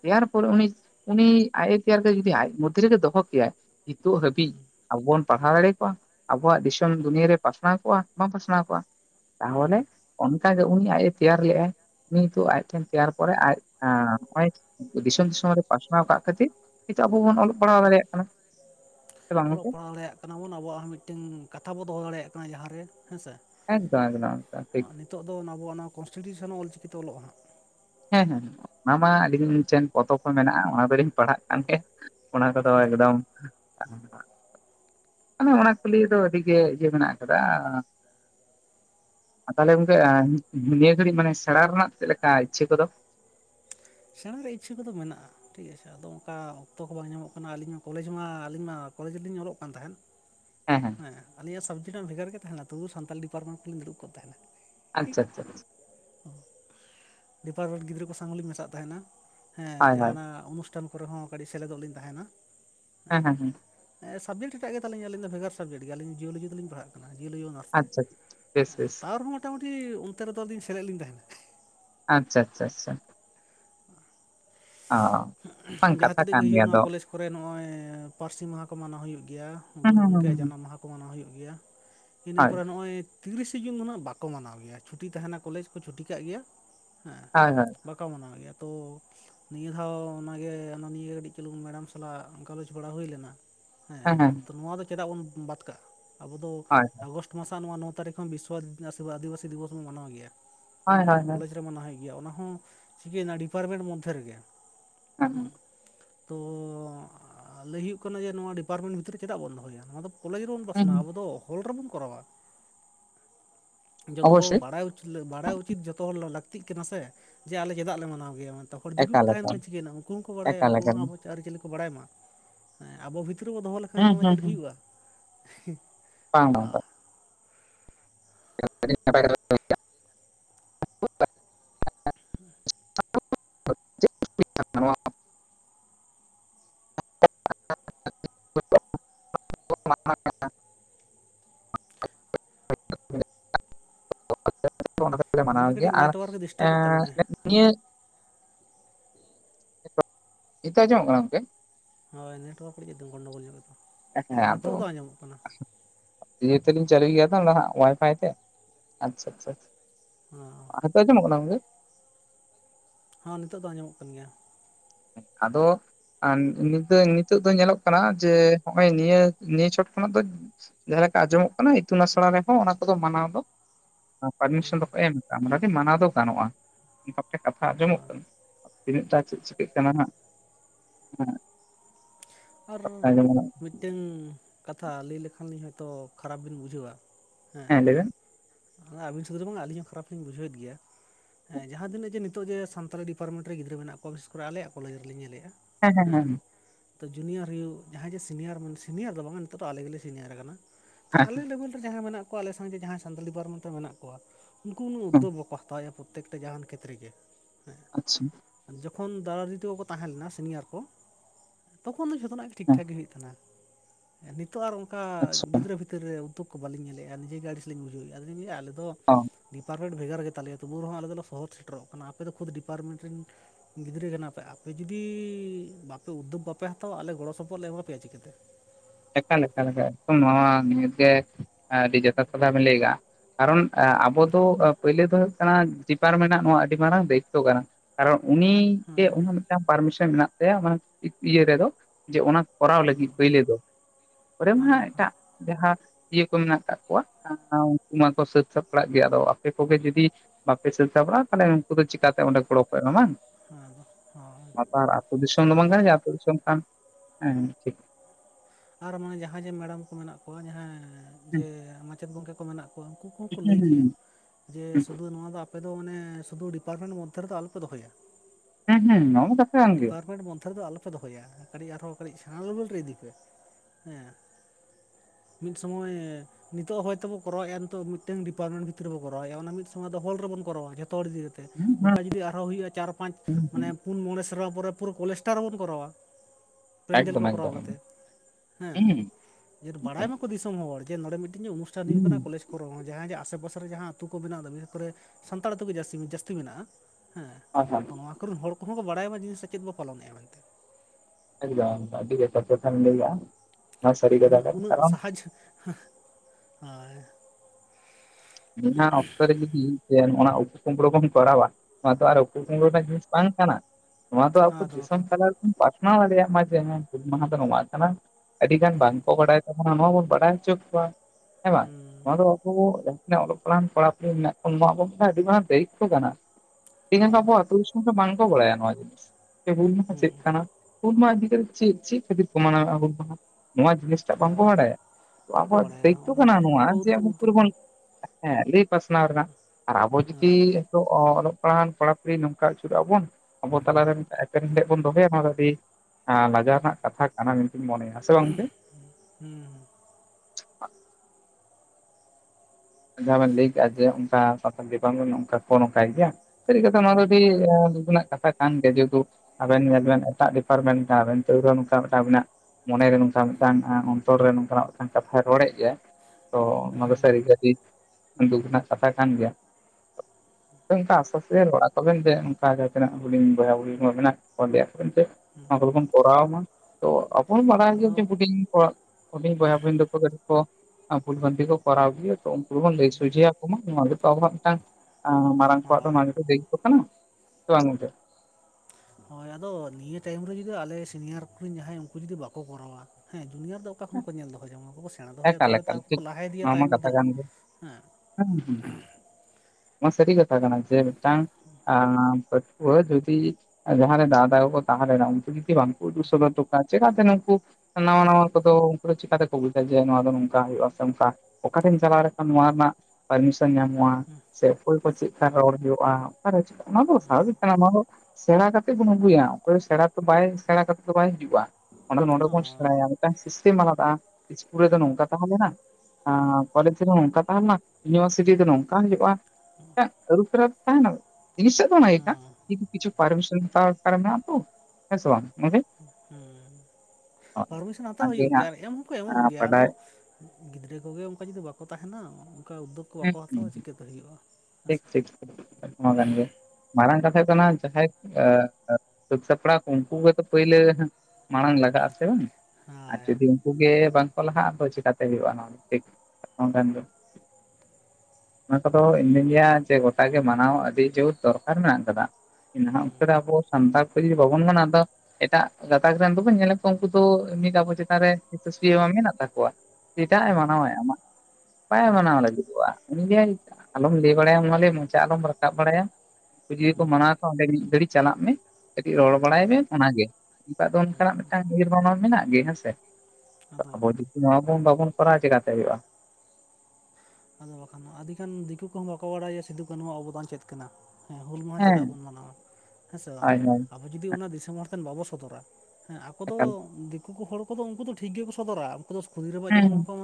ᱛᱮᱭᱟᱨ ᱯᱚᱨᱮ ᱩᱱᱤ, ᱩᱱᱤ ᱟᱡ ᱮ ᱛᱮᱭᱟᱨ ᱡᱩᱫᱤ ᱟᱡ ᱢᱚᱫᱽᱫᱷᱮ ᱨᱮᱜᱮ ᱫᱚᱦᱚ ᱠᱮᱭᱟᱭ, ᱱᱤᱛᱚᱜ ᱦᱟᱹᱵᱤᱡ ᱟᱵᱚ ᱵᱚᱱ ᱯᱟᱲᱦᱟᱣ ᱫᱟᱲᱮ ᱠᱚᱜᱼᱟ, ᱟᱵᱚᱣᱟ ᱫᱤᱥᱚᱢ ᱫᱩᱱᱭᱟᱹ ᱨᱮ ᱯᱟᱥᱱᱟᱣ ᱠᱚᱜᱼᱟ, ᱵᱟᱝ ᱯᱟᱥᱱᱟᱣ ᱠᱚᱜᱼᱟ᱾ ᱦᱩᱸ ᱛᱟᱦᱚᱞᱮ, ᱚᱱᱠᱟᱜᱮ ᱩᱱᱤ ᱟᱡᱼ ᱮ ᱛᱮᱭᱟᱨ ᱞᱮᱜᱼᱟᱭ, ᱱᱤᱛᱚᱜ ᱟᱡ ᱴᱷᱮᱱ ᱛᱮᱭᱟᱨ ᱯᱚᱨᱮ ᱟᱡ ᱟᱸᱻ, ᱱᱚᱜᱚᱭ ᱫᱤᱥᱚᱢ ᱫᱤᱥᱚᱢ ᱨᱮ, ᱯᱟᱥᱱᱟᱣ ᱠᱟᱜ ᱠᱷᱟᱹᱛᱤᱨ ᱱᱤᱛᱚᱜ ᱟᱵᱚ ᱵᱚᱱ ᱚᱞᱚᱜ ᱯᱟᱲᱦᱟᱣ ᱫᱟᱲᱮᱭᱟᱜ ᱠᱟᱱᱟ ᱥᱮ ᱵᱟᱝ ᱜᱚᱝᱠᱮ ᱚᱞᱚᱜ ᱯᱟᱲᱦᱟᱣ ᱨᱮᱭᱟᱜ ᱠᱟᱱᱟ ᱵᱚᱱ, ᱟᱵᱚᱣᱟᱜ ᱦᱚᱸ ᱢᱤᱫᱴᱮᱝ ᱠᱟᱛᱷᱟ ᱵᱚ ᱫᱚᱦᱚ ᱫᱟᱲᱮᱭᱟᱜ ᱠᱟᱱᱟ, ᱡᱟᱦᱟᱸ ᱨᱮ ᱦᱮᱸᱥᱮ? ᱮᱠᱫᱚᱢ, ᱮᱠᱫᱚᱢ, ᱮᱠᱫᱚᱢ, ᱴᱷᱤᱠ᱾ ᱱᱤᱛᱚᱜ ᱫᱚ ᱟᱵᱚ ᱚᱱᱟ ᱠᱚᱱᱥᱴᱤᱴᱤᱭᱩᱥᱚᱱ ᱦᱚ, ᱚᱞᱪᱤᱠᱤ ᱛᱮ ᱚᱞᱚᱜᱟ ᱦᱟᱸᱜ᱾ ᱦᱮᱸ, ᱦᱮᱸ, ᱚᱱᱟ ᱢᱟ ᱟᱹᱞᱤᱧ ᱢᱤᱫ ᱴᱷᱮᱱ ᱯᱚᱛᱚᱵ ᱠᱚ ᱢᱮᱱᱟᱜᱼᱟ, ᱚᱱᱟ ᱫᱚᱞᱤᱧ ᱯᱟᱲᱦᱟᱜ ᱠᱟᱱ ᱛᱮ, ᱚᱱᱟ ᱠᱚᱫᱚ ᱮᱠᱫᱚᱢ, ᱢᱟᱱᱮ ᱚᱱᱟ ᱠᱚᱞᱤᱭ ᱫᱚ, ᱟᱹᱰᱤᱜᱮ ᱤᱭᱟᱹ ᱢᱮᱱᱟᱜ ᱠᱟᱫᱟ᱾ ᱛᱟᱦᱞᱮ ᱜᱚᱝᱠᱮ ᱱᱤᱭᱟᱹ ᱜᱷᱟᱹᱲᱤᱡ ᱢᱟᱱᱮ ᱥᱮᱬᱟ, ᱨᱮᱱᱟᱜ ᱪᱮᱫ ᱞᱮᱠᱟ ᱤᱪᱪᱷᱟᱹ ᱠᱚᱫᱚ? ᱥᱮᱬᱟ ᱨᱮᱭᱟᱜ ᱤᱪᱪᱷᱟᱹ ᱠᱚᱫᱚ ᱢᱮᱱᱟᱜᱼᱟ᱾ ᱴᱷᱤᱠ ᱟᱪᱪᱷᱮ ᱟᱫᱚ, ᱚᱝᱠᱟ ᱚᱠᱛᱚ ᱠᱚ ᱵᱟᱝ ᱧᱟᱢᱚᱜ ᱠᱟᱱᱟ, ᱟᱹᱞᱤᱧ ᱢᱟ ᱠᱚᱞᱮᱡᱽ ᱢᱟ ᱟᱹᱞᱤᱧ ᱢᱟ, ᱠᱚᱞᱮᱡᱽ ᱨᱮᱞᱤᱧ ᱚᱞᱚᱜ ᱠᱟᱱ ᱛᱟᱦᱮᱸᱱ᱾ ᱦᱮᱸ ᱟᱞᱤᱧᱟᱜ ᱥᱟᱵᱡᱮᱠᱴ ᱵᱷᱮᱜᱟᱨ ᱜᱮ ᱛᱟᱦᱮᱸᱱᱟ, ᱛᱚᱵᱩ ᱥᱟᱱᱛᱟᱞᱤ ᱰᱤᱯᱟᱨᱴᱢᱮᱱᱴ ᱠᱚᱞᱤᱧ ᱫᱩᱲᱩᱵ ᱠᱚᱜ ᱛᱟᱦᱮᱱᱟ᱾ ᱟᱪᱪᱷᱟ, ᱟᱪᱷᱟᱷᱟ᱾ ᱰᱤᱯᱟᱨᱢᱮᱱᱴ ᱜᱤᱫᱽᱨᱟᱹ ᱠᱚ ᱥᱟᱝ ᱦᱚ ᱞᱤᱧ ᱢᱮᱥᱟᱜ ᱛᱟᱦᱮᱸᱱᱟ, ᱦᱳᱭ ᱦᱮᱸ ᱦᱳᱭ ᱡᱟᱦᱟᱱᱟᱜ ᱚᱱᱩᱥ ᱴᱟᱹᱱ ᱠᱚᱨᱮ ᱦᱚᱸ, ᱠᱟᱹᱴᱤᱡ ᱥᱮᱞᱮ ᱫᱚᱜ ᱞᱤᱧ ᱛᱟᱦᱮᱸᱱᱟ᱾ ᱦᱮᱸ, ᱦᱮᱸ, ᱦᱮᱸ᱾ ᱮ ᱥᱟᱵᱡᱮᱴ ᱮᱴᱟᱜ ᱜᱮ ᱛᱟᱞᱤᱧᱟ, ᱟᱹᱞᱤᱧ ᱫᱚ ᱵᱷᱮᱜᱟᱨ ᱥᱟᱵᱡᱮᱠᱴ ᱜᱮ ᱟᱞᱤᱧ ᱫᱚ, ᱡᱤᱭᱞᱚᱡᱤ ᱛᱮᱞᱤᱧ ᱯᱟᱲᱟᱜ ᱜᱮ ᱡᱤᱭᱟᱹᱞᱚᱡᱤ ᱚᱱᱟᱨᱥ ᱛᱮ, ᱟᱪᱪᱷᱟ ᱟᱪᱪᱷᱟ ᱵᱮᱥ ᱵᱮᱥ ᱛᱟᱣᱨᱮᱦᱚᱸ ᱢᱚᱴᱟᱢᱩᱴᱤ ᱚᱱᱛᱮ ᱨᱮᱫᱚ, ᱟᱹᱞᱤᱧ ᱥᱮᱞᱮᱫ ᱞᱤᱧ ᱛᱟᱦᱮᱸᱱᱟ᱾ ᱟᱪᱪᱷᱟ, ᱟᱪᱪᱷᱟ, ᱟᱪᱪᱷᱟ᱾ ᱚᱸ ᱡᱟᱦᱟᱸ ᱛᱤᱱᱟᱹᱜ ᱜᱮ ᱦᱩᱭᱩᱜ, ᱱᱚᱣᱟ ᱠᱚᱞᱮᱡᱽ ᱠᱚᱨᱮ, ᱱᱚᱜᱼᱚᱭ ᱯᱟᱹᱨᱥᱤ ᱢᱟᱦᱟ ᱠᱚ, ᱢᱟᱱᱟᱣ ᱦᱩᱭᱩᱜ ᱜᱮᱭᱟ ᱦᱩᱸ ᱜᱩᱨᱩ ᱦᱩᱸ ᱦᱩᱸ ᱜᱚᱢᱠᱮᱭᱟᱜ ᱦᱩᱸ ᱡᱟᱱᱟᱢ ᱢᱟᱦᱟ ᱠᱚ᱾ ᱠᱚ ᱢᱟᱱᱟᱣ ᱦᱳᱭᱳᱜ ᱜᱮᱭᱟ, ᱤᱱᱟᱹ ᱦᱳᱭ ᱯᱚᱨᱮ ᱱᱚᱜᱼᱚᱭ ᱛᱤᱨᱤᱥᱮ ᱡᱩᱱ ᱫᱚ ᱦᱟᱸᱜ ᱵᱟᱠᱚ ᱢᱟᱱᱟᱣ ᱜᱮᱭᱟ, ᱪᱷᱩᱴᱤ ᱛᱟᱦᱮᱱᱟ ᱠᱚᱞᱮᱡᱽ ᱠᱚ, ᱪᱷᱩᱴᱤ ᱠᱟᱜ ᱜᱮᱭᱟ ᱦᱮᱸ᱾ ᱦᱳᱭ ᱦᱳᱭ ᱵᱟᱠᱚ ᱢᱟᱱᱟᱣ ᱜᱮᱭᱟ ᱛᱚ ᱱᱤᱭᱟᱹ ᱫᱷᱟᱣ ᱚᱱᱟᱜᱮ ᱚᱱᱟ, ᱱᱤᱭᱮ ᱠᱟᱹᱴᱤᱡ ᱪᱩᱹᱞᱩᱝ ᱢᱮᱰᱟᱢ ᱥᱟᱞᱟᱜ ᱜᱟᱞᱚᱪ ᱵᱟᱲᱟ ᱦᱳᱭ ᱞᱮᱱᱟ᱾ ᱦᱮᱸ ᱛᱚ ᱱᱚᱣᱟ ᱫᱚ, ᱪᱮᱫᱟᱜ ᱵᱚᱱ ᱵᱟᱛ ᱠᱟᱜᱼᱟ, ᱟᱵᱚ ᱫᱚ ᱦᱳᱭ ᱟᱜᱚᱥᱴ ᱢᱟᱥᱟ ᱱᱚᱣᱟ ᱱᱚ ᱛᱟᱹᱨᱤᱠᱷ ᱦᱚᱸ, ᱵᱤᱥᱚᱽ ᱟᱹᱫᱤᱵᱥᱤ ᱫᱤᱵᱚᱥ ᱵᱚᱱ ᱢᱟᱱᱟᱣ ᱜᱮᱭᱟ᱾ ᱦᱳᱭ ᱦᱮᱸ ᱦᱳᱭ ᱦᱳᱭ ᱠᱚᱞᱮᱡᱽ ᱨᱮ ᱢᱟᱱᱟᱣ ᱦᱩᱭᱩᱜ ᱜᱮᱭᱟ ᱚᱱᱟᱦᱚᱸ ᱪᱤᱠᱟᱹᱭᱮᱱᱟ ᱰᱤᱯᱟᱨᱴᱢᱮᱱᱴ ᱢᱚᱫᱽᱫᱷᱮ ᱨᱮᱜᱮ᱾ ᱦᱮᱸ ᱛᱚ ᱞᱟᱹᱭ ᱦᱩᱭᱩᱜ ᱠᱟᱱᱟ ᱡᱮ ᱱᱚᱣᱟ ᱰᱤᱯᱟᱨᱢᱮᱱᱴ ᱵᱷᱤᱛᱨᱤ ᱪᱮᱫᱟᱜ ᱵᱚᱱᱫᱚᱦᱚᱭᱟ ᱱᱚᱣᱟ ᱫᱚ ᱠᱚᱞᱮᱡᱽ ᱨᱮᱵᱚᱱ ᱦᱩᱸ ᱯᱟᱥᱱᱟ ᱟᱵᱚ ᱫᱚ ᱦᱚᱞ ᱨᱮᱵᱚᱱ ᱠᱚᱨᱟᱣᱟ᱾ ᱡᱷᱚᱛᱚ ᱦᱚᱲ ᱚᱵᱚᱥᱥᱳᱭ ᱵᱟ ᱵᱟᱲᱟᱭ ᱩᱪᱤᱛ ᱡᱚᱛᱚ ᱦᱚᱲ ᱞᱟᱹᱠᱛᱤᱜ ᱠᱟᱱᱟ ᱥᱮ ᱡᱮ ᱟᱞᱮ ᱪᱮᱫᱟᱜ ᱞᱮ ᱢᱟᱱᱟᱣ ᱜᱮᱭᱟ᱾ ᱛᱚ ᱦᱚᱲ ᱫᱤᱠᱩ ᱠᱚ ᱮᱠᱟᱞ ᱛᱟᱦᱮᱱ ᱮᱠᱟᱞ ᱠᱷᱟᱱ ᱪᱤᱠᱟᱹᱭᱱᱟ ᱩᱱᱠᱩ ᱦᱚᱸᱠᱚ ᱵᱟᱲᱟᱭᱟ ᱮᱠᱟᱞ ᱩᱱᱠᱩ ᱮᱠᱟᱞ ᱦᱚᱸ ᱟᱵᱚ ᱟᱹᱨᱤᱪᱟᱹᱞᱤ ᱠᱚ ᱵᱟᱲᱟᱭ ᱢᱟ ᱦᱮᱸ ᱟᱵᱚ ᱵᱷᱤᱛ ᱵᱷᱤᱛᱨᱤ ᱨᱮ ᱵᱚᱱ ᱫᱚᱦᱚ ᱞᱮᱠᱷᱟᱱ ᱫᱚ ᱦᱩᱸ ᱚᱱᱟ ᱦᱩᱸ ᱪᱮᱫ ᱦᱩᱸ ᱦᱩᱭᱩᱜᱼᱟ ᱵᱟᱝ ᱵᱟᱝ (unintelligible) (inaudible) (unintelligible) (unintelligible) (unintelligible) ᱚᱱᱟ ᱛᱮᱞᱮ ᱢᱟᱱᱟᱣ ᱜᱚᱝᱠᱮ ᱜᱮᱭᱟ ᱠᱟᱹᱴᱤᱡ ᱟᱨ ᱱᱮᱴᱣᱟᱨᱠ ᱰᱤᱥᱴᱟᱵᱮᱫ ᱛᱟᱵᱤᱱᱟᱭ ᱱᱤᱭᱟᱹ ᱱᱤᱛᱟᱹᱜ ᱟᱡᱚᱢᱚᱜ ᱠᱟᱱᱟ ᱜᱚᱝᱠᱮ? ᱦᱳᱭ ᱱᱮᱴᱣᱟᱨᱠ ᱟᱹᱰᱤ ᱜᱚᱱᱰᱳᱜᱳᱞ ᱧᱚᱜ ᱨᱮᱛᱚ ᱦᱮᱸ ᱟᱫᱚ ᱱᱤᱛᱚᱜ ᱫᱚ ᱟᱸᱡᱚᱢᱚᱜ ᱠᱟᱱᱟ᱾ ᱛᱚ ᱫᱤᱱ ᱪᱟᱞᱩᱭ ᱜᱮᱭᱟᱭ ᱳᱟᱭᱯᱷᱟᱭ ᱛᱮ ᱟᱪᱪᱷᱟ ᱟᱪᱪᱷᱟ ᱚ ᱱᱤᱛᱚᱜ ᱟᱡᱚᱢᱚᱜ ᱠᱟᱱᱟ ᱜᱚᱢᱠᱮ ᱦᱚᱸ ᱱᱤᱛᱳ ᱫᱚ ᱟ ᱧᱟᱢᱚᱜ ᱠᱟᱱ ᱜᱮᱭᱟ᱾ ᱟᱫᱚ ᱟᱨ ᱱᱤᱛᱚᱜ ᱫᱚ ᱧᱮᱞᱚᱜ ᱠᱟᱱᱟ ᱡᱮ ᱱᱚᱜᱼᱚᱭ ᱱᱤᱭᱟᱹ ᱱᱤᱭᱟᱹ ᱪᱷᱚᱴ ᱠᱷᱚᱱᱟᱜ ᱫᱚ ᱡᱟᱦᱟᱸᱞᱮ ᱞᱮᱠᱟ ᱟᱸᱡᱚᱢᱚᱜ ᱠᱟᱱᱟ ᱤᱛᱩᱱ ᱟᱥᱲᱟ ᱨᱮᱦᱚᱸ ᱚᱱᱟ ᱠᱚᱫᱚ ᱢᱟᱱᱟᱣ ᱫᱚ ᱯᱟᱨᱢᱤᱥᱚᱱ ᱫᱚ ᱠᱚ ᱮᱢ ᱠᱟᱜᱼᱟ ᱢᱟᱱ ᱟᱹᱰᱤ ᱢᱟᱱᱟᱣ ᱫᱚ ᱜᱟᱱᱚᱜᱼᱟ᱾ ᱚᱱᱠᱟᱷᱮᱱ ᱠᱟᱛᱷᱟ ᱟᱸᱡᱚᱢᱚᱜ ᱠᱟᱱᱟ ᱛᱤᱱᱟᱹᱜᱴᱟ ᱪᱮᱫ ᱪᱤᱠᱟᱹᱜ ᱠᱟᱱᱟ ᱦᱮᱸ ᱟᱨ ᱢᱤᱫᱴᱝ ᱠᱟᱛᱷᱟ ᱞᱟᱹᱭ ᱞᱮᱠᱷᱟᱱᱞᱤᱧ ᱦᱚᱭᱛᱳ ᱠᱷᱟᱨᱟᱯ ᱵᱤᱱ ᱵᱩᱡᱷᱟᱹᱣᱟ᱾ ᱦᱮᱸ ᱞᱟᱹᱭ ᱵᱮᱱ ᱦᱮᱸ ᱟᱵᱤᱱ ᱥᱜ ᱫᱚ ᱵᱟᱝ ᱟᱹᱞᱤᱧ ᱦᱚᱸ ᱠᱷᱟᱨᱟᱯ ᱞᱤᱧ ᱵᱩᱡᱷᱟᱹᱣᱮᱫ ᱜᱮᱭᱟ ᱦᱮᱸ ᱡᱟᱦᱟᱸ ᱛᱤᱱᱟᱹᱜ ᱡᱮ ᱱᱤᱛᱚᱜ ᱡᱮ ᱥᱟᱱᱛᱟᱲᱤ ᱰᱤᱯᱟᱨᱢᱮᱱᱴ ᱨᱮ ᱜᱤᱫᱽᱨᱟᱹ ᱢᱮᱱᱟᱜ ᱠᱚᱣᱟ ᱵᱤᱥᱮᱥ ᱠᱚᱨᱮ ᱟᱞᱮᱭᱟᱜ ᱠᱚᱞᱡᱽ ᱨᱮᱞᱮ ᱧᱮᱞᱮᱫᱼᱟ᱾ ᱦᱮᱸ ᱦᱮᱸ ᱦᱮᱸ ᱛᱚ ᱡᱩᱱᱤᱭᱟᱨ ᱦᱩᱭᱩᱜ ᱡᱟᱦᱟᱸᱭ ᱡᱮ ᱥᱤᱱᱤᱭᱟᱨ ᱥᱤᱱᱤᱭᱟᱨ ᱫᱚ ᱵᱟᱝ ᱟ, ᱱᱤᱛᱚᱜ ᱫᱚ ᱟᱞᱮ ᱜᱮᱞᱮ ᱥᱤᱱᱤᱭᱟᱨ ᱠᱟᱱᱟ ᱛᱚ, ᱟᱪᱪᱷᱟ ᱟᱞᱮ ᱞᱮᱵᱮᱞ ᱡᱟᱦᱟᱸ ᱢᱮᱱᱟᱜ ᱠᱚᱣᱟ ᱟᱞᱮ ᱥᱟᱜᱮ ᱡᱟᱦᱟᱸᱭ ᱥᱟᱱᱛᱟᱲᱤ ᱰᱤᱯᱟᱨᱢᱮᱱᱴ ᱨᱮ ᱢᱮᱱᱟᱜ ᱠᱚ ᱩᱱᱠᱩ ᱩᱱᱟᱹ ᱩᱜᱫᱳᱽ ᱵᱟᱠᱚ ᱦᱟᱛᱟᱣᱮᱫᱼᱟ᱾ ᱯᱨᱚᱛᱛᱮᱠ ᱴᱟ ᱡᱟᱦᱟᱱ ᱠᱷᱮᱛ ᱨᱮ ᱜᱮ ᱦᱮᱸ ᱟᱪᱪᱷᱟ ᱡᱚᱠᱷᱚᱱ ᱫᱟᱫᱟ- ᱫᱤᱫᱤ ᱛᱮᱠᱚ ᱛᱟᱦᱮᱸ ᱞᱮᱱᱟ ᱥᱤᱱᱤᱭᱟᱨ ᱠᱚ᱾ ᱛᱚᱠᱷᱚᱱ ᱫᱚ ᱡᱷᱚᱛᱚᱱᱟᱜ ᱜᱮ ᱴᱷᱤᱠ ᱦᱮᱸ ᱴᱷᱟᱠ ᱜᱮ ᱦᱩᱭᱩᱜ ᱠᱟᱱᱟ ᱱᱤᱛᱚᱜ ᱟᱨ ᱚᱱᱠᱟ ᱟᱪᱪᱷᱟ ᱜᱤᱫᱽᱨᱟᱹ ᱵᱷᱤᱛᱨ ᱵᱷᱤᱛᱨᱤ ᱨᱮ ᱩᱛᱩᱜ ᱠᱚ ᱵᱟᱞᱤᱧ ᱧᱮᱞᱮᱫᱼᱟ ᱱᱤᱡᱮ ᱜᱮ ᱟᱰᱤᱥᱞᱤᱧ ᱵᱩᱡᱷᱣᱮᱫᱼᱟ ᱟᱞᱮ ᱫᱚ ᱦᱚᱸ ᱯᱟᱨᱵᱷᱮᱱᱴ ᱵᱷᱮᱜᱟᱨ ᱜᱮᱛᱟᱞᱮᱭᱟ, ᱛᱚᱵᱩ ᱨᱮᱦᱚᱸ ᱟᱞᱮ ᱫᱚ ᱞᱮ ᱥᱚᱦᱚᱨ ᱥᱮᱴᱮᱨᱚᱜ ᱠᱟᱱᱟ ᱟᱯᱮ ᱫᱚ ᱠᱷᱩᱫ ᱰᱤᱟᱨᱴᱢᱮᱱᱴ ᱨᱮᱱ ᱜᱤᱫᱽᱨᱟᱹ ᱠᱟᱱᱟ ᱯᱮ ᱟᱯᱮ ᱡᱩᱫᱤ ᱵᱟᱯᱮ ᱩᱫᱽᱫᱳᱽ ᱵᱟᱯᱮ ᱦᱟᱛᱟᱣᱟ, ᱟᱞᱮ ᱜᱚᱲᱚ ᱥᱚᱯᱚᱦᱚᱫ ᱞᱮ ᱮᱢᱟ ᱯᱮᱭᱟ ᱪᱤᱠᱟᱹᱛᱮ? ᱮᱠᱟᱞ ᱮᱠᱟᱞ ᱱᱤᱭ ᱜᱮ ᱡᱚᱛᱷᱟᱛ ᱠᱟᱛᱷᱟ ᱵᱮᱱ ᱞᱟᱹᱭᱮᱫᱼᱟ᱾ ᱠᱟᱨᱚᱱ ᱟᱵᱚ ᱫᱚ ᱯᱳᱭᱞᱳ ᱫᱚ ᱦᱩᱭᱩᱜ ᱠᱟᱱᱟ ᱰᱤᱯᱟᱨ ᱢᱮᱱᱟᱜ ᱱᱚᱣᱟ ᱟᱹᱰᱤ ᱢᱟᱨᱟᱝ ᱫᱟᱭᱤᱛᱛᱚ ᱠᱟᱱᱟ᱾ ᱠᱟᱨᱚᱱ ᱩᱱᱤ ᱜᱮ ᱚᱱᱟ ᱦᱮᱸ ᱢᱤᱫᱴᱟᱝ ᱯᱟᱨᱢᱤᱥᱚᱱ ᱢᱮᱱᱟᱜ ᱛᱟᱭᱟ ᱚᱱᱟ ᱤᱭᱟᱹ ᱨᱮᱫᱚ ᱡᱮ ᱚᱱᱟ ᱠᱚᱨᱟᱣ ᱞᱟᱹᱜᱤᱫ ᱯᱳᱭᱞᱳ ᱫᱚ ᱚᱰᱮ ᱟᱫᱚ ᱢᱟᱸ ᱵᱟᱠᱷᱟᱱ ᱮᱴᱟᱜ ᱡᱟᱦᱟᱸ ᱤᱭᱟᱹ ᱠᱚ ᱢᱮᱱᱟᱜ ᱠᱚ ᱠᱚᱣᱟ ᱩᱱᱠᱩ ᱢᱟᱠᱚ ᱥᱟᱹᱛ ᱥᱟᱯᱲᱟᱜ ᱜᱮᱭᱟ ᱟᱫᱚ ᱟᱯᱮ ᱠᱚᱜᱮ ᱡᱩᱫᱤ ᱵᱟᱯᱮ ᱥᱟᱹᱛ ᱪᱟᱵᱲᱟᱜᱼᱟ, ᱛᱟᱦᱞᱮ ᱩᱱᱠᱩ ᱫᱚ ᱪᱤᱠᱟ ᱛᱮ ᱚᱸᱰᱮ ᱜᱚᱲᱚᱯ ᱢᱟ ᱵᱟᱝ ᱦᱮᱸ ᱟᱫᱚ ᱦᱳᱭ ᱚᱱᱟ ᱛᱚ ᱟᱹᱛᱩ ᱫᱤᱥᱚᱢ ᱫᱚ ᱟᱨ ᱵᱟᱝ ᱠᱟᱱᱟ, ᱡᱮ ᱟᱹᱛᱩ ᱫᱤᱥᱚᱢ ᱠᱟᱱ ᱦᱮᱸ ᱴᱷᱤᱠ ᱟᱨ ᱢᱟᱱᱮ ᱡᱟᱦᱟᱸᱭ ᱡᱮ ᱢᱮᱰᱟᱢ ᱠᱚ ᱢᱮᱱᱟᱜ ᱠᱚᱣᱟ ᱡᱟᱦᱟᱸᱭ ᱦᱮᱸ ᱡᱮ ᱢᱟᱪᱮᱫ ᱜᱚᱢᱠᱮ ᱠᱚ ᱢᱮᱱᱟᱜ ᱠᱚᱣᱟ ᱩᱱᱠᱩ ᱠᱚᱠᱚ ᱞᱟᱹᱭ ᱦᱮᱸ ᱦᱮᱸ ᱜᱮᱭᱟ ᱡᱮᱸ ᱥᱩᱫᱷᱩ ᱱᱚᱣᱟ ᱫᱚᱸ ᱟᱯᱮ ᱫᱚ ᱢᱟᱱᱮ ᱥᱩᱫᱩ ᱰᱤᱯᱟᱨᱴᱢᱮᱱᱴ ᱢᱚᱫᱽᱫᱷᱮ ᱨᱮᱫᱚ ᱟᱞᱚᱯᱮ ᱫᱚᱦᱚᱭᱟ᱾ ᱦᱮᱸ ᱦᱮᱸ ᱚᱱᱟ ᱠᱟᱛᱷᱟ ᱠᱟᱱ ᱜᱮᱭᱟ ᱰᱤᱯᱟᱨᱢᱮᱱᱴ ᱢᱚᱫᱽᱫᱷᱮ ᱨᱮᱫᱚ ᱟᱞᱚᱯᱮ ᱫᱚᱦᱚᱭᱟ ᱠᱟᱹᱴᱤᱡᱽ ᱟᱨᱦᱚᱸ ᱠᱟᱹᱴᱤᱡᱽ ᱥᱮᱬᱟ ᱞᱮᱵᱮᱞ ᱨᱮ ᱤᱫᱤ ᱯᱮ ᱦᱮᱸ ᱢᱤᱫ ᱥᱚᱢᱚᱭ ᱱᱤᱛᱚᱜ ᱦᱚᱭᱛᱚ ᱠᱚᱨᱟᱣ ᱮᱱ ᱱᱚᱜ ᱢᱤᱫᱴᱮᱱ ᱰᱤᱯᱟᱨᱢᱮᱱᱴ ᱵᱷᱤᱛᱨᱤ ᱨᱮ ᱵᱚ ᱠᱚᱨᱟᱣ ᱮᱼᱟ, ᱚᱱᱟ ᱢᱤᱫ ᱥᱚᱢᱚᱭ ᱫᱚ ᱦᱚᱞ ᱨᱮᱵᱚᱱ ᱠᱚᱨᱟᱣᱟ ᱡᱚᱛᱚ ᱦᱚᱲ ᱤᱭᱟ ᱛᱮ ᱦᱮᱸ ᱦᱮᱸ ᱚᱱᱠᱟ ᱡᱩᱫᱤ ᱟᱨᱦᱚᱸ ᱦᱩᱭᱩᱜᱼᱟ, ᱪᱟᱨ ᱯᱟᱸᱪ ᱦᱮᱸ ᱢᱟᱱᱮ ᱯᱩᱱ ᱢᱚᱬᱮ ᱥᱮᱨᱢᱟ ᱯᱚᱨᱮ ᱯᱩᱨᱟᱹ ᱠᱚᱞᱮᱥᱴᱟᱨᱵᱚᱱ ᱠᱚᱨᱟᱣᱟ᱾ ᱯᱮᱱᱰᱮᱞ ᱮᱠᱫᱚᱢ ᱠᱚ ᱠᱚᱨᱟᱣ ᱮᱠᱫᱚᱢ ᱦᱮᱸ ᱠᱟᱛᱮ ᱦᱩᱸ ᱵᱟᱲᱟᱭ ᱦᱮᱸ ᱢᱟᱠᱚ ᱫᱤᱥᱚᱢ ᱦᱚᱲ ᱡᱮ ᱱᱚᱰᱮ ᱢᱤᱫᱴᱮᱱ ᱚᱱᱩᱥᱴᱷᱟᱱ ᱦᱩᱭᱩᱜ ᱠᱟᱱᱟ ᱠᱚᱞᱮᱡᱽ ᱠᱚ᱾ ᱠᱚᱨᱮᱚᱸ ᱡᱟᱦᱟᱸ ᱡ ᱟᱥᱮ ᱯᱟᱥᱮ ᱨᱮ ᱡᱟᱦᱟᱸ ᱟᱹᱛᱩ ᱠᱚ ᱵᱮᱫᱟ ᱱᱤᱭᱟᱹ ᱠᱚᱨᱮ ᱥᱟᱱᱛᱟᱲ ᱟ ᱟᱹᱛᱩ ᱜᱮ ᱡᱛᱤ ᱡᱟᱹᱥᱛᱤ ᱢᱮᱱᱟᱜᱼᱟ ᱦᱮᱸ ᱟᱪᱪᱷᱟ ᱛᱚ ᱱᱚᱣᱟ ᱠᱚᱨᱮᱱ ᱦᱚᱲ ᱠᱚᱦᱚᱸ ᱠᱚ ᱵᱟᱲᱟᱭᱟ ᱢᱟ ᱡᱤᱱᱤᱥ ᱥᱮ ᱪᱮᱫ ᱵᱚᱱ ᱯᱟᱞᱚᱱᱮᱫᱼᱟ ᱢᱮᱱᱛᱮ᱾ ᱮᱠᱫᱚᱢ ᱟᱹᱰᱤ ᱜᱮ ᱥᱟᱚᱛᱠᱷᱟᱱ ᱞᱟᱟ. ᱭᱮᱫᱟ ᱛᱚ ᱩᱹᱱᱟᱜ ᱩᱱᱟᱹᱜ ᱥᱟᱦᱟᱡᱽ ᱟᱨ ᱱᱚᱣᱟ ᱚᱠᱛᱚ ᱨᱮ ᱡᱩᱫᱤᱮᱱ ᱚᱱᱟ ᱩᱯᱚᱠᱩᱢᱚ ᱵᱟᱢ ᱠᱚᱨᱟᱣᱟ ᱱᱚᱣᱟ ᱫᱚ ᱟᱨ ᱚᱠᱩ ᱠᱩᱢᱵᱲᱩ ᱨᱮᱱᱟᱜ ᱡᱤᱱᱤᱥ ᱵᱟᱝ ᱠᱟᱱᱟ ᱱᱚᱣᱟ ᱫᱚ ᱦᱮᱸ ᱟᱵᱚ ᱟᱫᱚ ᱫᱤᱥᱚᱢ ᱵᱟᱠᱷᱟᱱ ᱛᱟᱞᱟᱨ᱾ ᱯᱟᱥᱱᱟᱣ ᱫᱟᱲᱮᱭᱟᱜ ᱢᱟ ᱡᱮ ᱢᱟᱦᱟ ᱫᱚ ᱱᱚᱣᱟ ᱠᱟᱱᱟ ᱟᱹᱰᱤ ᱜᱟᱱ ᱵᱟᱝᱠᱚ ᱵᱟᱰᱟᱭᱟ ᱱᱚᱣᱟ ᱵᱚᱱ ᱵᱟᱰᱟᱭ ᱦᱚᱪᱚ ᱠᱚᱣᱟ ᱦᱮᱸ ᱵᱟᱝ ᱦᱩᱸ ᱱᱚᱣᱟ ᱫᱚ ᱟᱵᱚ᱾ ᱛᱤᱱᱟᱹᱜ ᱜᱟᱱ ᱚᱞᱚᱜ ᱯᱟᱲᱦᱟᱜ ᱠᱚᱲᱟ ᱠᱩᱲᱤ ᱢᱮᱱᱟᱜ ᱠᱚ ᱟᱵᱚ ᱟᱹᱰᱤ ᱢᱟᱨᱟᱝ ᱫᱟᱭᱤᱛᱛᱚ ᱠᱟᱱᱟᱧ ᱟᱵ᱾ ᱦᱳᱭ ᱩᱱᱠᱩ ᱫᱚ ᱵᱟᱝᱠᱚ ᱵᱟᱲᱟᱭᱟ ᱱᱚᱣᱟ ᱡᱤᱱᱤᱥ ᱦᱩᱞ ᱢᱟᱦ ᱪᱮᱫ ᱠᱟᱱᱟ ᱾ ᱦᱩᱞ ᱢᱟᱦᱟᱤᱫᱤ ᱠᱟᱛᱮᱜ ᱱᱚᱣᱟ ᱤᱫᱤᱠᱟ ᱪᱮᱫ ᱪᱮᱫ ᱠᱷᱟᱹᱛᱤᱨ ᱠᱚ ᱢᱟᱱᱟᱣᱮᱫᱼᱟ ᱱᱚᱣᱟ ᱡᱤᱱᱤᱥ ᱵᱟᱸᱠᱚ ᱦᱳᱭ ᱵᱟᱲᱟᱭᱟ ᱵᱟᱠᱚ ᱟᱵᱚᱣᱟᱜ ᱵᱟᱲᱟᱭᱟ ᱫᱮᱡ ᱛᱚ ᱚᱱᱟ ᱠᱟᱱᱟ ᱠᱷᱟᱹᱛᱤᱨ ᱵᱟᱠᱚ ᱡᱮ ᱩᱫᱩᱜ ᱩᱫᱩᱜ ᱢᱩᱩᱨ᱾ ᱦᱮᱸ ᱞᱟᱹᱭ ᱯᱟᱥᱱᱟᱣ ᱨᱮᱱᱟᱜ᱾ ᱟᱨ ᱟᱵᱚ ᱡᱩᱫᱤ ᱦᱳᱭ ᱱᱤᱛᱚᱜ ᱚᱞᱚᱜ ᱯᱟᱲᱦᱟᱜ ᱠᱚᱲᱟ ᱠᱩᱲᱤ ᱱᱚᱝᱠᱟ ᱟᱹᱪᱩᱨᱚᱜᱼᱟ ᱵᱚᱱ ᱟᱵᱚ ᱛᱟᱞᱟᱨᱮ ᱮᱯᱮᱱ ᱦᱤᱸᱲᱮ ᱵᱚᱱ ᱫᱚᱦᱚᱭᱟ ᱱᱚᱣᱟ ᱫᱚ ᱟᱹᱰᱤ ᱞᱟᱡᱟᱣ ᱨᱮᱱᱟᱜ ᱠᱟᱛᱷᱟ ᱠᱟᱱᱟ ᱢᱮᱱᱛᱮ ᱢᱚᱱᱮᱭᱟ ᱥᱮ ᱵᱟᱝ ᱜᱚᱢᱠᱮ᱾ ᱦᱩᱸᱢ ᱡᱟᱦᱟᱸ ᱵᱮᱱ ᱞᱟᱹᱭ ᱠᱮᱜᱼᱟ ᱡᱮ ᱚᱱᱠᱟ ᱥᱟᱱᱛᱟᱞ ᱤᱵᱷ ᱚᱱᱠᱟ ᱠᱚ ᱱᱚᱱᱠᱟᱭ ᱜᱮᱭᱟ ᱪᱤ ᱱᱚᱣᱟ ᱫᱚ ᱟᱹᱰᱤ᱾ ᱩᱱᱟᱜ ᱠᱟᱛᱷᱟ ᱠᱟᱱ ᱜᱮᱭᱟ ᱡᱮᱦᱮᱛᱩ ᱟᱵᱮᱱ ᱧᱮᱞ ᱵᱮᱱ ᱮᱴᱟᱜ ᱰᱤᱯᱟᱨᱢᱮᱱᱴ ᱟᱵᱮᱱ ᱛᱚ ᱱᱚᱠᱟ ᱱᱟᱜ ᱢᱚᱱᱮᱨᱮ ᱱᱚᱝᱠᱟᱱᱟᱜ ᱢᱤᱫᱴᱟᱝ ᱚᱱᱛᱚᱨ ᱨᱮ ᱱᱚᱝᱠᱟᱱᱟᱜ ᱢᱤᱫᱴᱟᱝ ᱠᱟᱛᱷᱟᱭ ᱨᱚᱲᱮᱫ ᱜᱮᱭᱟ ᱾ ᱛᱚ ᱱᱚᱣᱟ ᱫᱚ ᱦᱮᱸ ᱥᱟᱹᱨᱤᱜᱮ ᱫᱩᱠ ᱨᱮᱱᱟᱜ ᱠᱟᱛᱷᱟ ᱠᱟᱱ ᱜᱮᱭᱟ. ᱾ ᱚᱱᱠᱟ ᱮᱥᱟᱥ ᱨᱚᱲᱟᱜ ᱛᱟᱵᱮᱱ ᱡᱮ ᱚᱱᱠᱟ ᱡᱟᱦᱟᱸ ᱛᱤᱱᱟᱹᱜ ᱦᱩᱰᱤᱧ ᱵᱚᱭᱦᱟ ᱵᱩᱦᱤ ᱠᱚ ᱢᱮᱱᱟᱜᱣᱟ ᱚᱸ ᱚᱱᱟ ᱠᱚ ᱵᱚᱱ ᱠᱚᱨᱟᱣ ᱢᱟ ᱛᱚ ᱟᱵᱚ ᱦᱚᱸ ᱢᱟᱲᱟᱝ ᱡᱮ ᱟᱫᱚ ᱵᱩ᱾ ᱩᱱᱤ ᱵᱚᱭᱦᱟ ᱵᱤᱱ ᱫᱚᱠᱚ ᱠᱚ ᱵᱷᱩᱞ ᱵᱟᱱᱫ ᱠᱚᱨᱟᱣ ᱜᱮᱭᱟ ᱛᱚ ᱟᱵᱚ ᱵᱚᱱ ᱞᱟᱹᱭ ᱥᱚᱡᱷᱮᱭᱟ ᱠᱚ ᱢᱟ ᱱᱚᱣᱟ ᱜᱮ ᱟᱵᱚᱣᱟᱜ ᱢᱤᱫᱴᱟᱱ ᱢᱟᱨᱟᱝ ᱠᱚᱣᱟᱜ ᱫᱚ ᱦᱳᱭ ᱱᱚᱣᱟ ᱜᱮ ᱫᱟᱹᱭᱤᱚᱛ ᱠᱟᱱᱟ ᱾ ᱦᱮ ᱥᱮ ᱵᱟᱝ ᱜᱚᱢᱠᱮ᱾ ᱦᱳᱭ ᱟᱫᱚ ᱱᱤᱭᱟᱹ ᱴᱟᱭᱚᱢ ᱨᱮ ᱡᱩᱫᱤ ᱟᱞᱮ ᱥᱤᱱᱤᱭᱟᱨ ᱠᱚᱨᱮᱱ ᱡᱟᱦᱟᱸᱭ ᱩᱱᱠᱩ ᱡᱩᱫᱤ ᱵᱟᱠᱚ ᱠᱚᱨᱟᱣᱟ ᱦᱮᱸ ᱡᱩᱱᱤᱭᱟᱨ ᱫᱚ ᱚᱠᱟ ᱠᱷᱚᱱ ᱠᱚ ᱧᱮᱞ ᱫᱚᱦᱚ ᱭᱟ ᱥᱮᱬᱟ ᱫᱚᱦᱚᱭᱟ ᱮᱠᱟᱞ ᱛᱚᱵᱮ ᱛᱚ ᱮᱠᱟᱞ ᱟᱠᱚ ᱠᱚ ᱴᱷᱤᱠ ᱞᱟᱦᱟ ᱤᱫᱤᱭᱟ ᱱᱚᱣᱟ ᱢᱟ ᱛᱟᱭᱚᱢ ᱠᱟᱛᱷᱟ ᱵᱤᱫᱟᱹᱞ ᱠᱟᱱ ᱜᱮ ᱦᱮᱸ ᱦᱮᱸ ᱦᱮᱸ ᱱᱚᱣᱟ ᱢᱟ ᱥᱟᱹᱨᱤ ᱠᱟᱛᱷᱟ ᱠᱟᱱᱟ ᱡᱮ ᱢᱤᱫᱴᱟᱝ ᱟ ᱡᱟᱦᱟ ᱡᱚᱫᱤ ᱡᱟᱦᱟᱸᱟᱸ ᱨᱮ ᱫᱟᱫᱟ ᱠᱚ ᱛᱟᱦᱚᱞᱮ ᱨᱛᱩ ᱡᱤ ᱵᱟᱝ ᱠᱚ ᱫᱩᱥ ᱴᱠ ᱪᱤᱠᱟᱛᱮ ᱱᱩᱠᱩ ᱱᱟᱣᱟ ᱱᱟᱣᱟ ᱠᱚᱫᱚ ᱩᱱᱠᱩ ᱫᱚ ᱪᱤᱠᱟᱛᱮᱠᱚ ᱵᱩᱡᱷᱟᱣᱟ ᱮ ᱱᱚᱣᱟ ᱫᱚ ᱱᱚᱝᱠᱟ ᱦᱩᱭᱩᱜᱼᱟ ᱥᱮ ᱱᱚᱸᱠᱟ ᱚᱠᱟᱴᱷᱧ ᱪᱟᱞᱟᱣ ᱞᱮᱠᱷᱟᱱ ᱱᱚᱣᱟ ᱨᱮᱱᱟᱜ ᱯᱟᱨᱢᱤᱥᱚᱱ ᱧᱟᱢᱟ ᱥᱮ ᱚᱠᱚᱭ ᱠᱚ ᱪᱮᱫᱟᱠ ᱨᱚᱲ ᱦᱩᱭᱩᱜᱼᱟ ᱚᱠᱟᱨᱮ ᱪᱮ ᱚᱱᱟ ᱫᱚ ᱥᱟᱶᱜ ᱠᱟᱱᱟ ᱱᱚᱣᱟ ᱫᱚ ᱥᱮᱬᱟ ᱠᱟᱛᱮᱫ ᱵᱚᱱ ᱟᱹᱜᱩᱭᱟ ᱚᱠᱚᱭ ᱥᱮ ᱵᱟᱭ ᱥᱮᱬᱟ ᱠᱟᱛᱮᱫ ᱫᱚ ᱵᱟᱭ ᱦᱤᱡᱩᱜᱼᱟ ᱚᱸᱰᱮ ᱱᱚᱸᱰᱮ ᱵᱚᱱ ᱦᱳᱭ ᱥᱮᱬᱟᱭᱟ ᱾ ᱢᱤᱫᱴᱟᱝ ᱥᱤᱥᱴᱮᱢ ᱟᱞᱟᱜ ᱤᱥᱠᱩᱞ ᱨᱮᱫᱚ ᱟᱫᱚ ᱱᱚᱝᱠᱟ ᱛᱟᱦᱮᱸ ᱞᱮᱱᱟ ᱠᱚᱞᱮᱡᱽ ᱨᱮ ᱱᱚᱝᱠᱟ ᱛᱟᱦᱮᱱᱟ ᱤᱭᱩᱱᱤᱵᱷᱟᱨᱥᱤᱴᱤ ᱨᱮ ᱱᱚᱝᱠᱟ ᱦᱩᱭᱩᱜᱼᱟ ᱾ ᱟᱜ ᱨᱩᱛᱨᱟᱵ ᱛᱟᱦᱮᱸᱱᱚ ᱡᱤᱱᱤᱥ ᱛᱮᱫ ᱫᱚ ᱚᱱᱟᱜᱮ ᱠᱟ ᱦᱮᱸ ᱠᱤᱱᱛᱩ ᱠᱤᱪᱷᱩ ᱯᱟᱨᱢᱤ ᱥᱚᱱ ᱦᱟᱛᱟᱣ ᱵᱮᱯᱟᱨ ᱢᱮᱱᱟᱜᱼᱟ ᱛᱚ ᱦᱮᱸᱥᱮ ᱵᱟᱝ ᱜᱚᱝᱮ ᱦᱩᱸ ᱯᱟᱨᱢᱤᱥᱚᱱ ᱦᱟᱛᱟᱣ ᱚᱱᱟᱜᱮ ᱦᱩᱭᱩᱜ ᱜᱮᱭᱟ ᱦᱟᱸᱜ ᱟᱨ ᱮᱢ ᱦᱚᱸᱠᱚ ᱮᱢᱚᱜ ᱜᱮᱭᱟ ᱟᱫᱚ ᱵᱟᱰᱟᱭ ᱜᱤᱫᱽᱨᱟᱹ ᱠᱚᱜᱮ ᱚᱱᱠᱟ ᱡᱩᱫᱤ ᱵᱟᱠᱚ ᱛᱟᱦᱮᱱᱟ ᱚᱱᱠᱟ ᱩᱫᱽᱫᱳᱵ ᱦᱮᱸ ᱴᱷᱤᱠ ᱴᱷᱤᱠ ᱱᱚᱣᱟ ᱠᱟᱱ ᱜᱮᱭᱟ ᱢᱟᱨᱟᱝ ᱠᱟᱛᱷᱟ ᱦᱩᱭᱩᱜ ᱠᱟᱱᱟ ᱡᱟᱦᱟᱸᱭ ᱥᱟᱹᱛ ᱥᱟᱯᱲᱟᱣ ᱩᱱᱠᱩ ᱜᱮᱛᱚ ᱯᱳᱭᱞᱳ ᱢᱟᱲᱟᱝ ᱞᱟᱜᱟᱜ ᱟ ᱥᱮ ᱵᱟᱝ ᱟᱨ ᱦᱳᱭ ᱦᱮᱸ ᱡᱩᱫᱤ ᱩᱱᱠᱩ ᱜᱮ ᱵᱟᱝᱠᱚ ᱞᱟᱦᱟᱜᱼᱟ ᱫᱚ ᱪᱤᱠᱟᱛᱮ ᱦᱩᱭᱩᱜᱼᱟ ᱱᱚᱣᱟ ᱢᱤᱫᱴ ᱜᱟᱱ ᱫᱚ ᱚᱱᱟ ᱠᱚᱫᱚ ᱤᱢᱱᱤ ᱜᱮᱭᱟ ᱡᱮ ᱜᱚᱴᱟᱜ ᱜᱮ ᱢᱟᱱᱟᱣ ᱟᱹᱰᱤ ᱡᱳᱨ ᱫᱚᱨᱠᱟᱨ ᱢᱮᱱᱟᱜ ᱟᱠᱟᱫᱟ ᱾ ᱱᱟᱦᱟᱜ ᱚᱠᱛᱚ ᱨᱮ ᱟᱵᱚ ᱥᱟᱱᱛᱟᱲ ᱠᱚ ᱡᱩᱫᱤ ᱵᱟᱵᱚᱱ ᱢᱟᱱᱟᱣ ᱫᱟ ᱮᱴᱟᱜ ᱜᱟᱛᱟᱠ ᱨᱮᱱ ᱫᱚᱵᱚᱱ ᱧᱮᱞᱮᱫ ᱠᱚᱣᱟ ᱩᱱᱠᱩ ᱫᱚ ᱤᱢᱱᱤ ᱛᱮ ᱟᱵᱚ ᱪᱮᱛᱟᱱ ᱨᱮ ᱦᱤᱥᱟᱹ ᱥᱩᱭᱟᱹ ᱢᱟ ᱢᱮᱱᱟᱜ ᱛᱟᱠᱚᱣᱟ ᱪᱮᱫᱟᱜ ᱮ ᱢᱟᱱᱟᱣᱟ ᱟᱢᱟᱜ ᱵᱟᱭ ᱢᱟᱱᱟᱣ ᱞᱟᱹᱜᱤᱫ ᱩᱣᱟᱜ (unintelligible) ᱟᱞᱚᱢ ᱞᱟᱹᱭ ᱵᱟᱲᱟᱭᱟ ᱚᱱᱟ ᱞᱤᱭᱮ ᱢᱚᱪᱟ ᱟᱞᱚᱢ ᱨᱟᱠᱟᱵ ᱵᱟᱲᱟᱭᱟ ᱡᱩᱫᱤᱭᱚ ᱦᱮᱸ ᱠᱚ ᱢᱟᱱᱟᱣ ᱠᱚᱣᱟ ᱚᱸᱰᱮ ᱢᱤᱫ ᱜᱷᱟᱹᱲᱤᱡ ᱪᱟᱞᱟᱜ ᱢᱮ ᱠᱟᱹᱴᱤᱡ ᱨᱚᱲ ᱵᱟᱲᱟᱭ ᱢᱮ ᱦᱮᱸ ᱚᱱᱟᱜᱮ ᱱᱤᱛᱟᱜ ᱫᱚᱱ ᱞᱮᱠᱟᱱᱟᱜ ᱢᱤᱫᱴᱟᱝ (unintelligible) ᱢᱮᱱᱟᱜ ᱜᱮ ᱦᱮᱸ ᱥᱮ ᱟᱫᱚ ᱟᱵᱚ ᱵᱟᱠᱷᱟᱱ ᱡᱩᱫᱤ ᱱᱚᱣᱟ ᱵᱚᱱ ᱵᱟᱵᱚᱱ ᱠᱚᱨᱟᱣ ᱪᱤᱠᱟᱛᱮ ᱦᱩᱭᱩᱜᱼᱟ ᱱᱚᱣᱟ ᱟᱹᱰᱤᱜᱟᱱ ᱫᱤᱠᱩ ᱠᱚᱦᱚᱸ ᱵᱟᱠᱚ ᱵᱟᱲᱟᱭᱟ ᱥᱤᱫᱩ ᱠᱟᱹᱟᱹᱱᱩ ᱣᱟᱜ ᱚᱵᱚᱫᱟᱱ ᱪᱮᱫ ᱠᱟᱱᱟ ᱦᱮᱸ ᱦᱩᱞ ᱢᱟᱦᱟ ᱪᱮᱫᱟᱜ ᱦᱮᱸ ᱵᱚᱱ ᱢᱟᱱᱟᱣᱟ? ᱦᱮᱸ ᱥᱮ ᱵᱟᱝᱟ ᱦᱳᱭ ᱦᱳᱭ ᱟᱵᱚ ᱡᱩᱫᱤ ᱚᱱᱟ ᱫᱤᱥᱚᱢ ᱦᱚᱲ ᱛᱮ ᱵᱟᱵᱚ ᱥᱚᱫᱚᱨᱟ ᱦᱮᱸ ᱟᱠᱚ ᱫᱚ ᱮᱠᱟᱞ ᱫᱤᱠᱩ ᱠᱚ ᱦᱚᱲ ᱠᱚᱫᱚ ᱩᱱᱠᱩ ᱫᱚ ᱴᱷᱤᱠ ᱜᱮᱠᱚ ᱥᱚᱫᱚᱨᱟ ᱩᱱᱠᱩ ᱫᱚ ᱠᱷᱩᱫᱤᱨᱟᱢᱟᱜ ᱦᱮᱸ ᱡᱚᱱᱢᱚ ᱦᱚᱸᱠᱚ ᱢᱟᱱ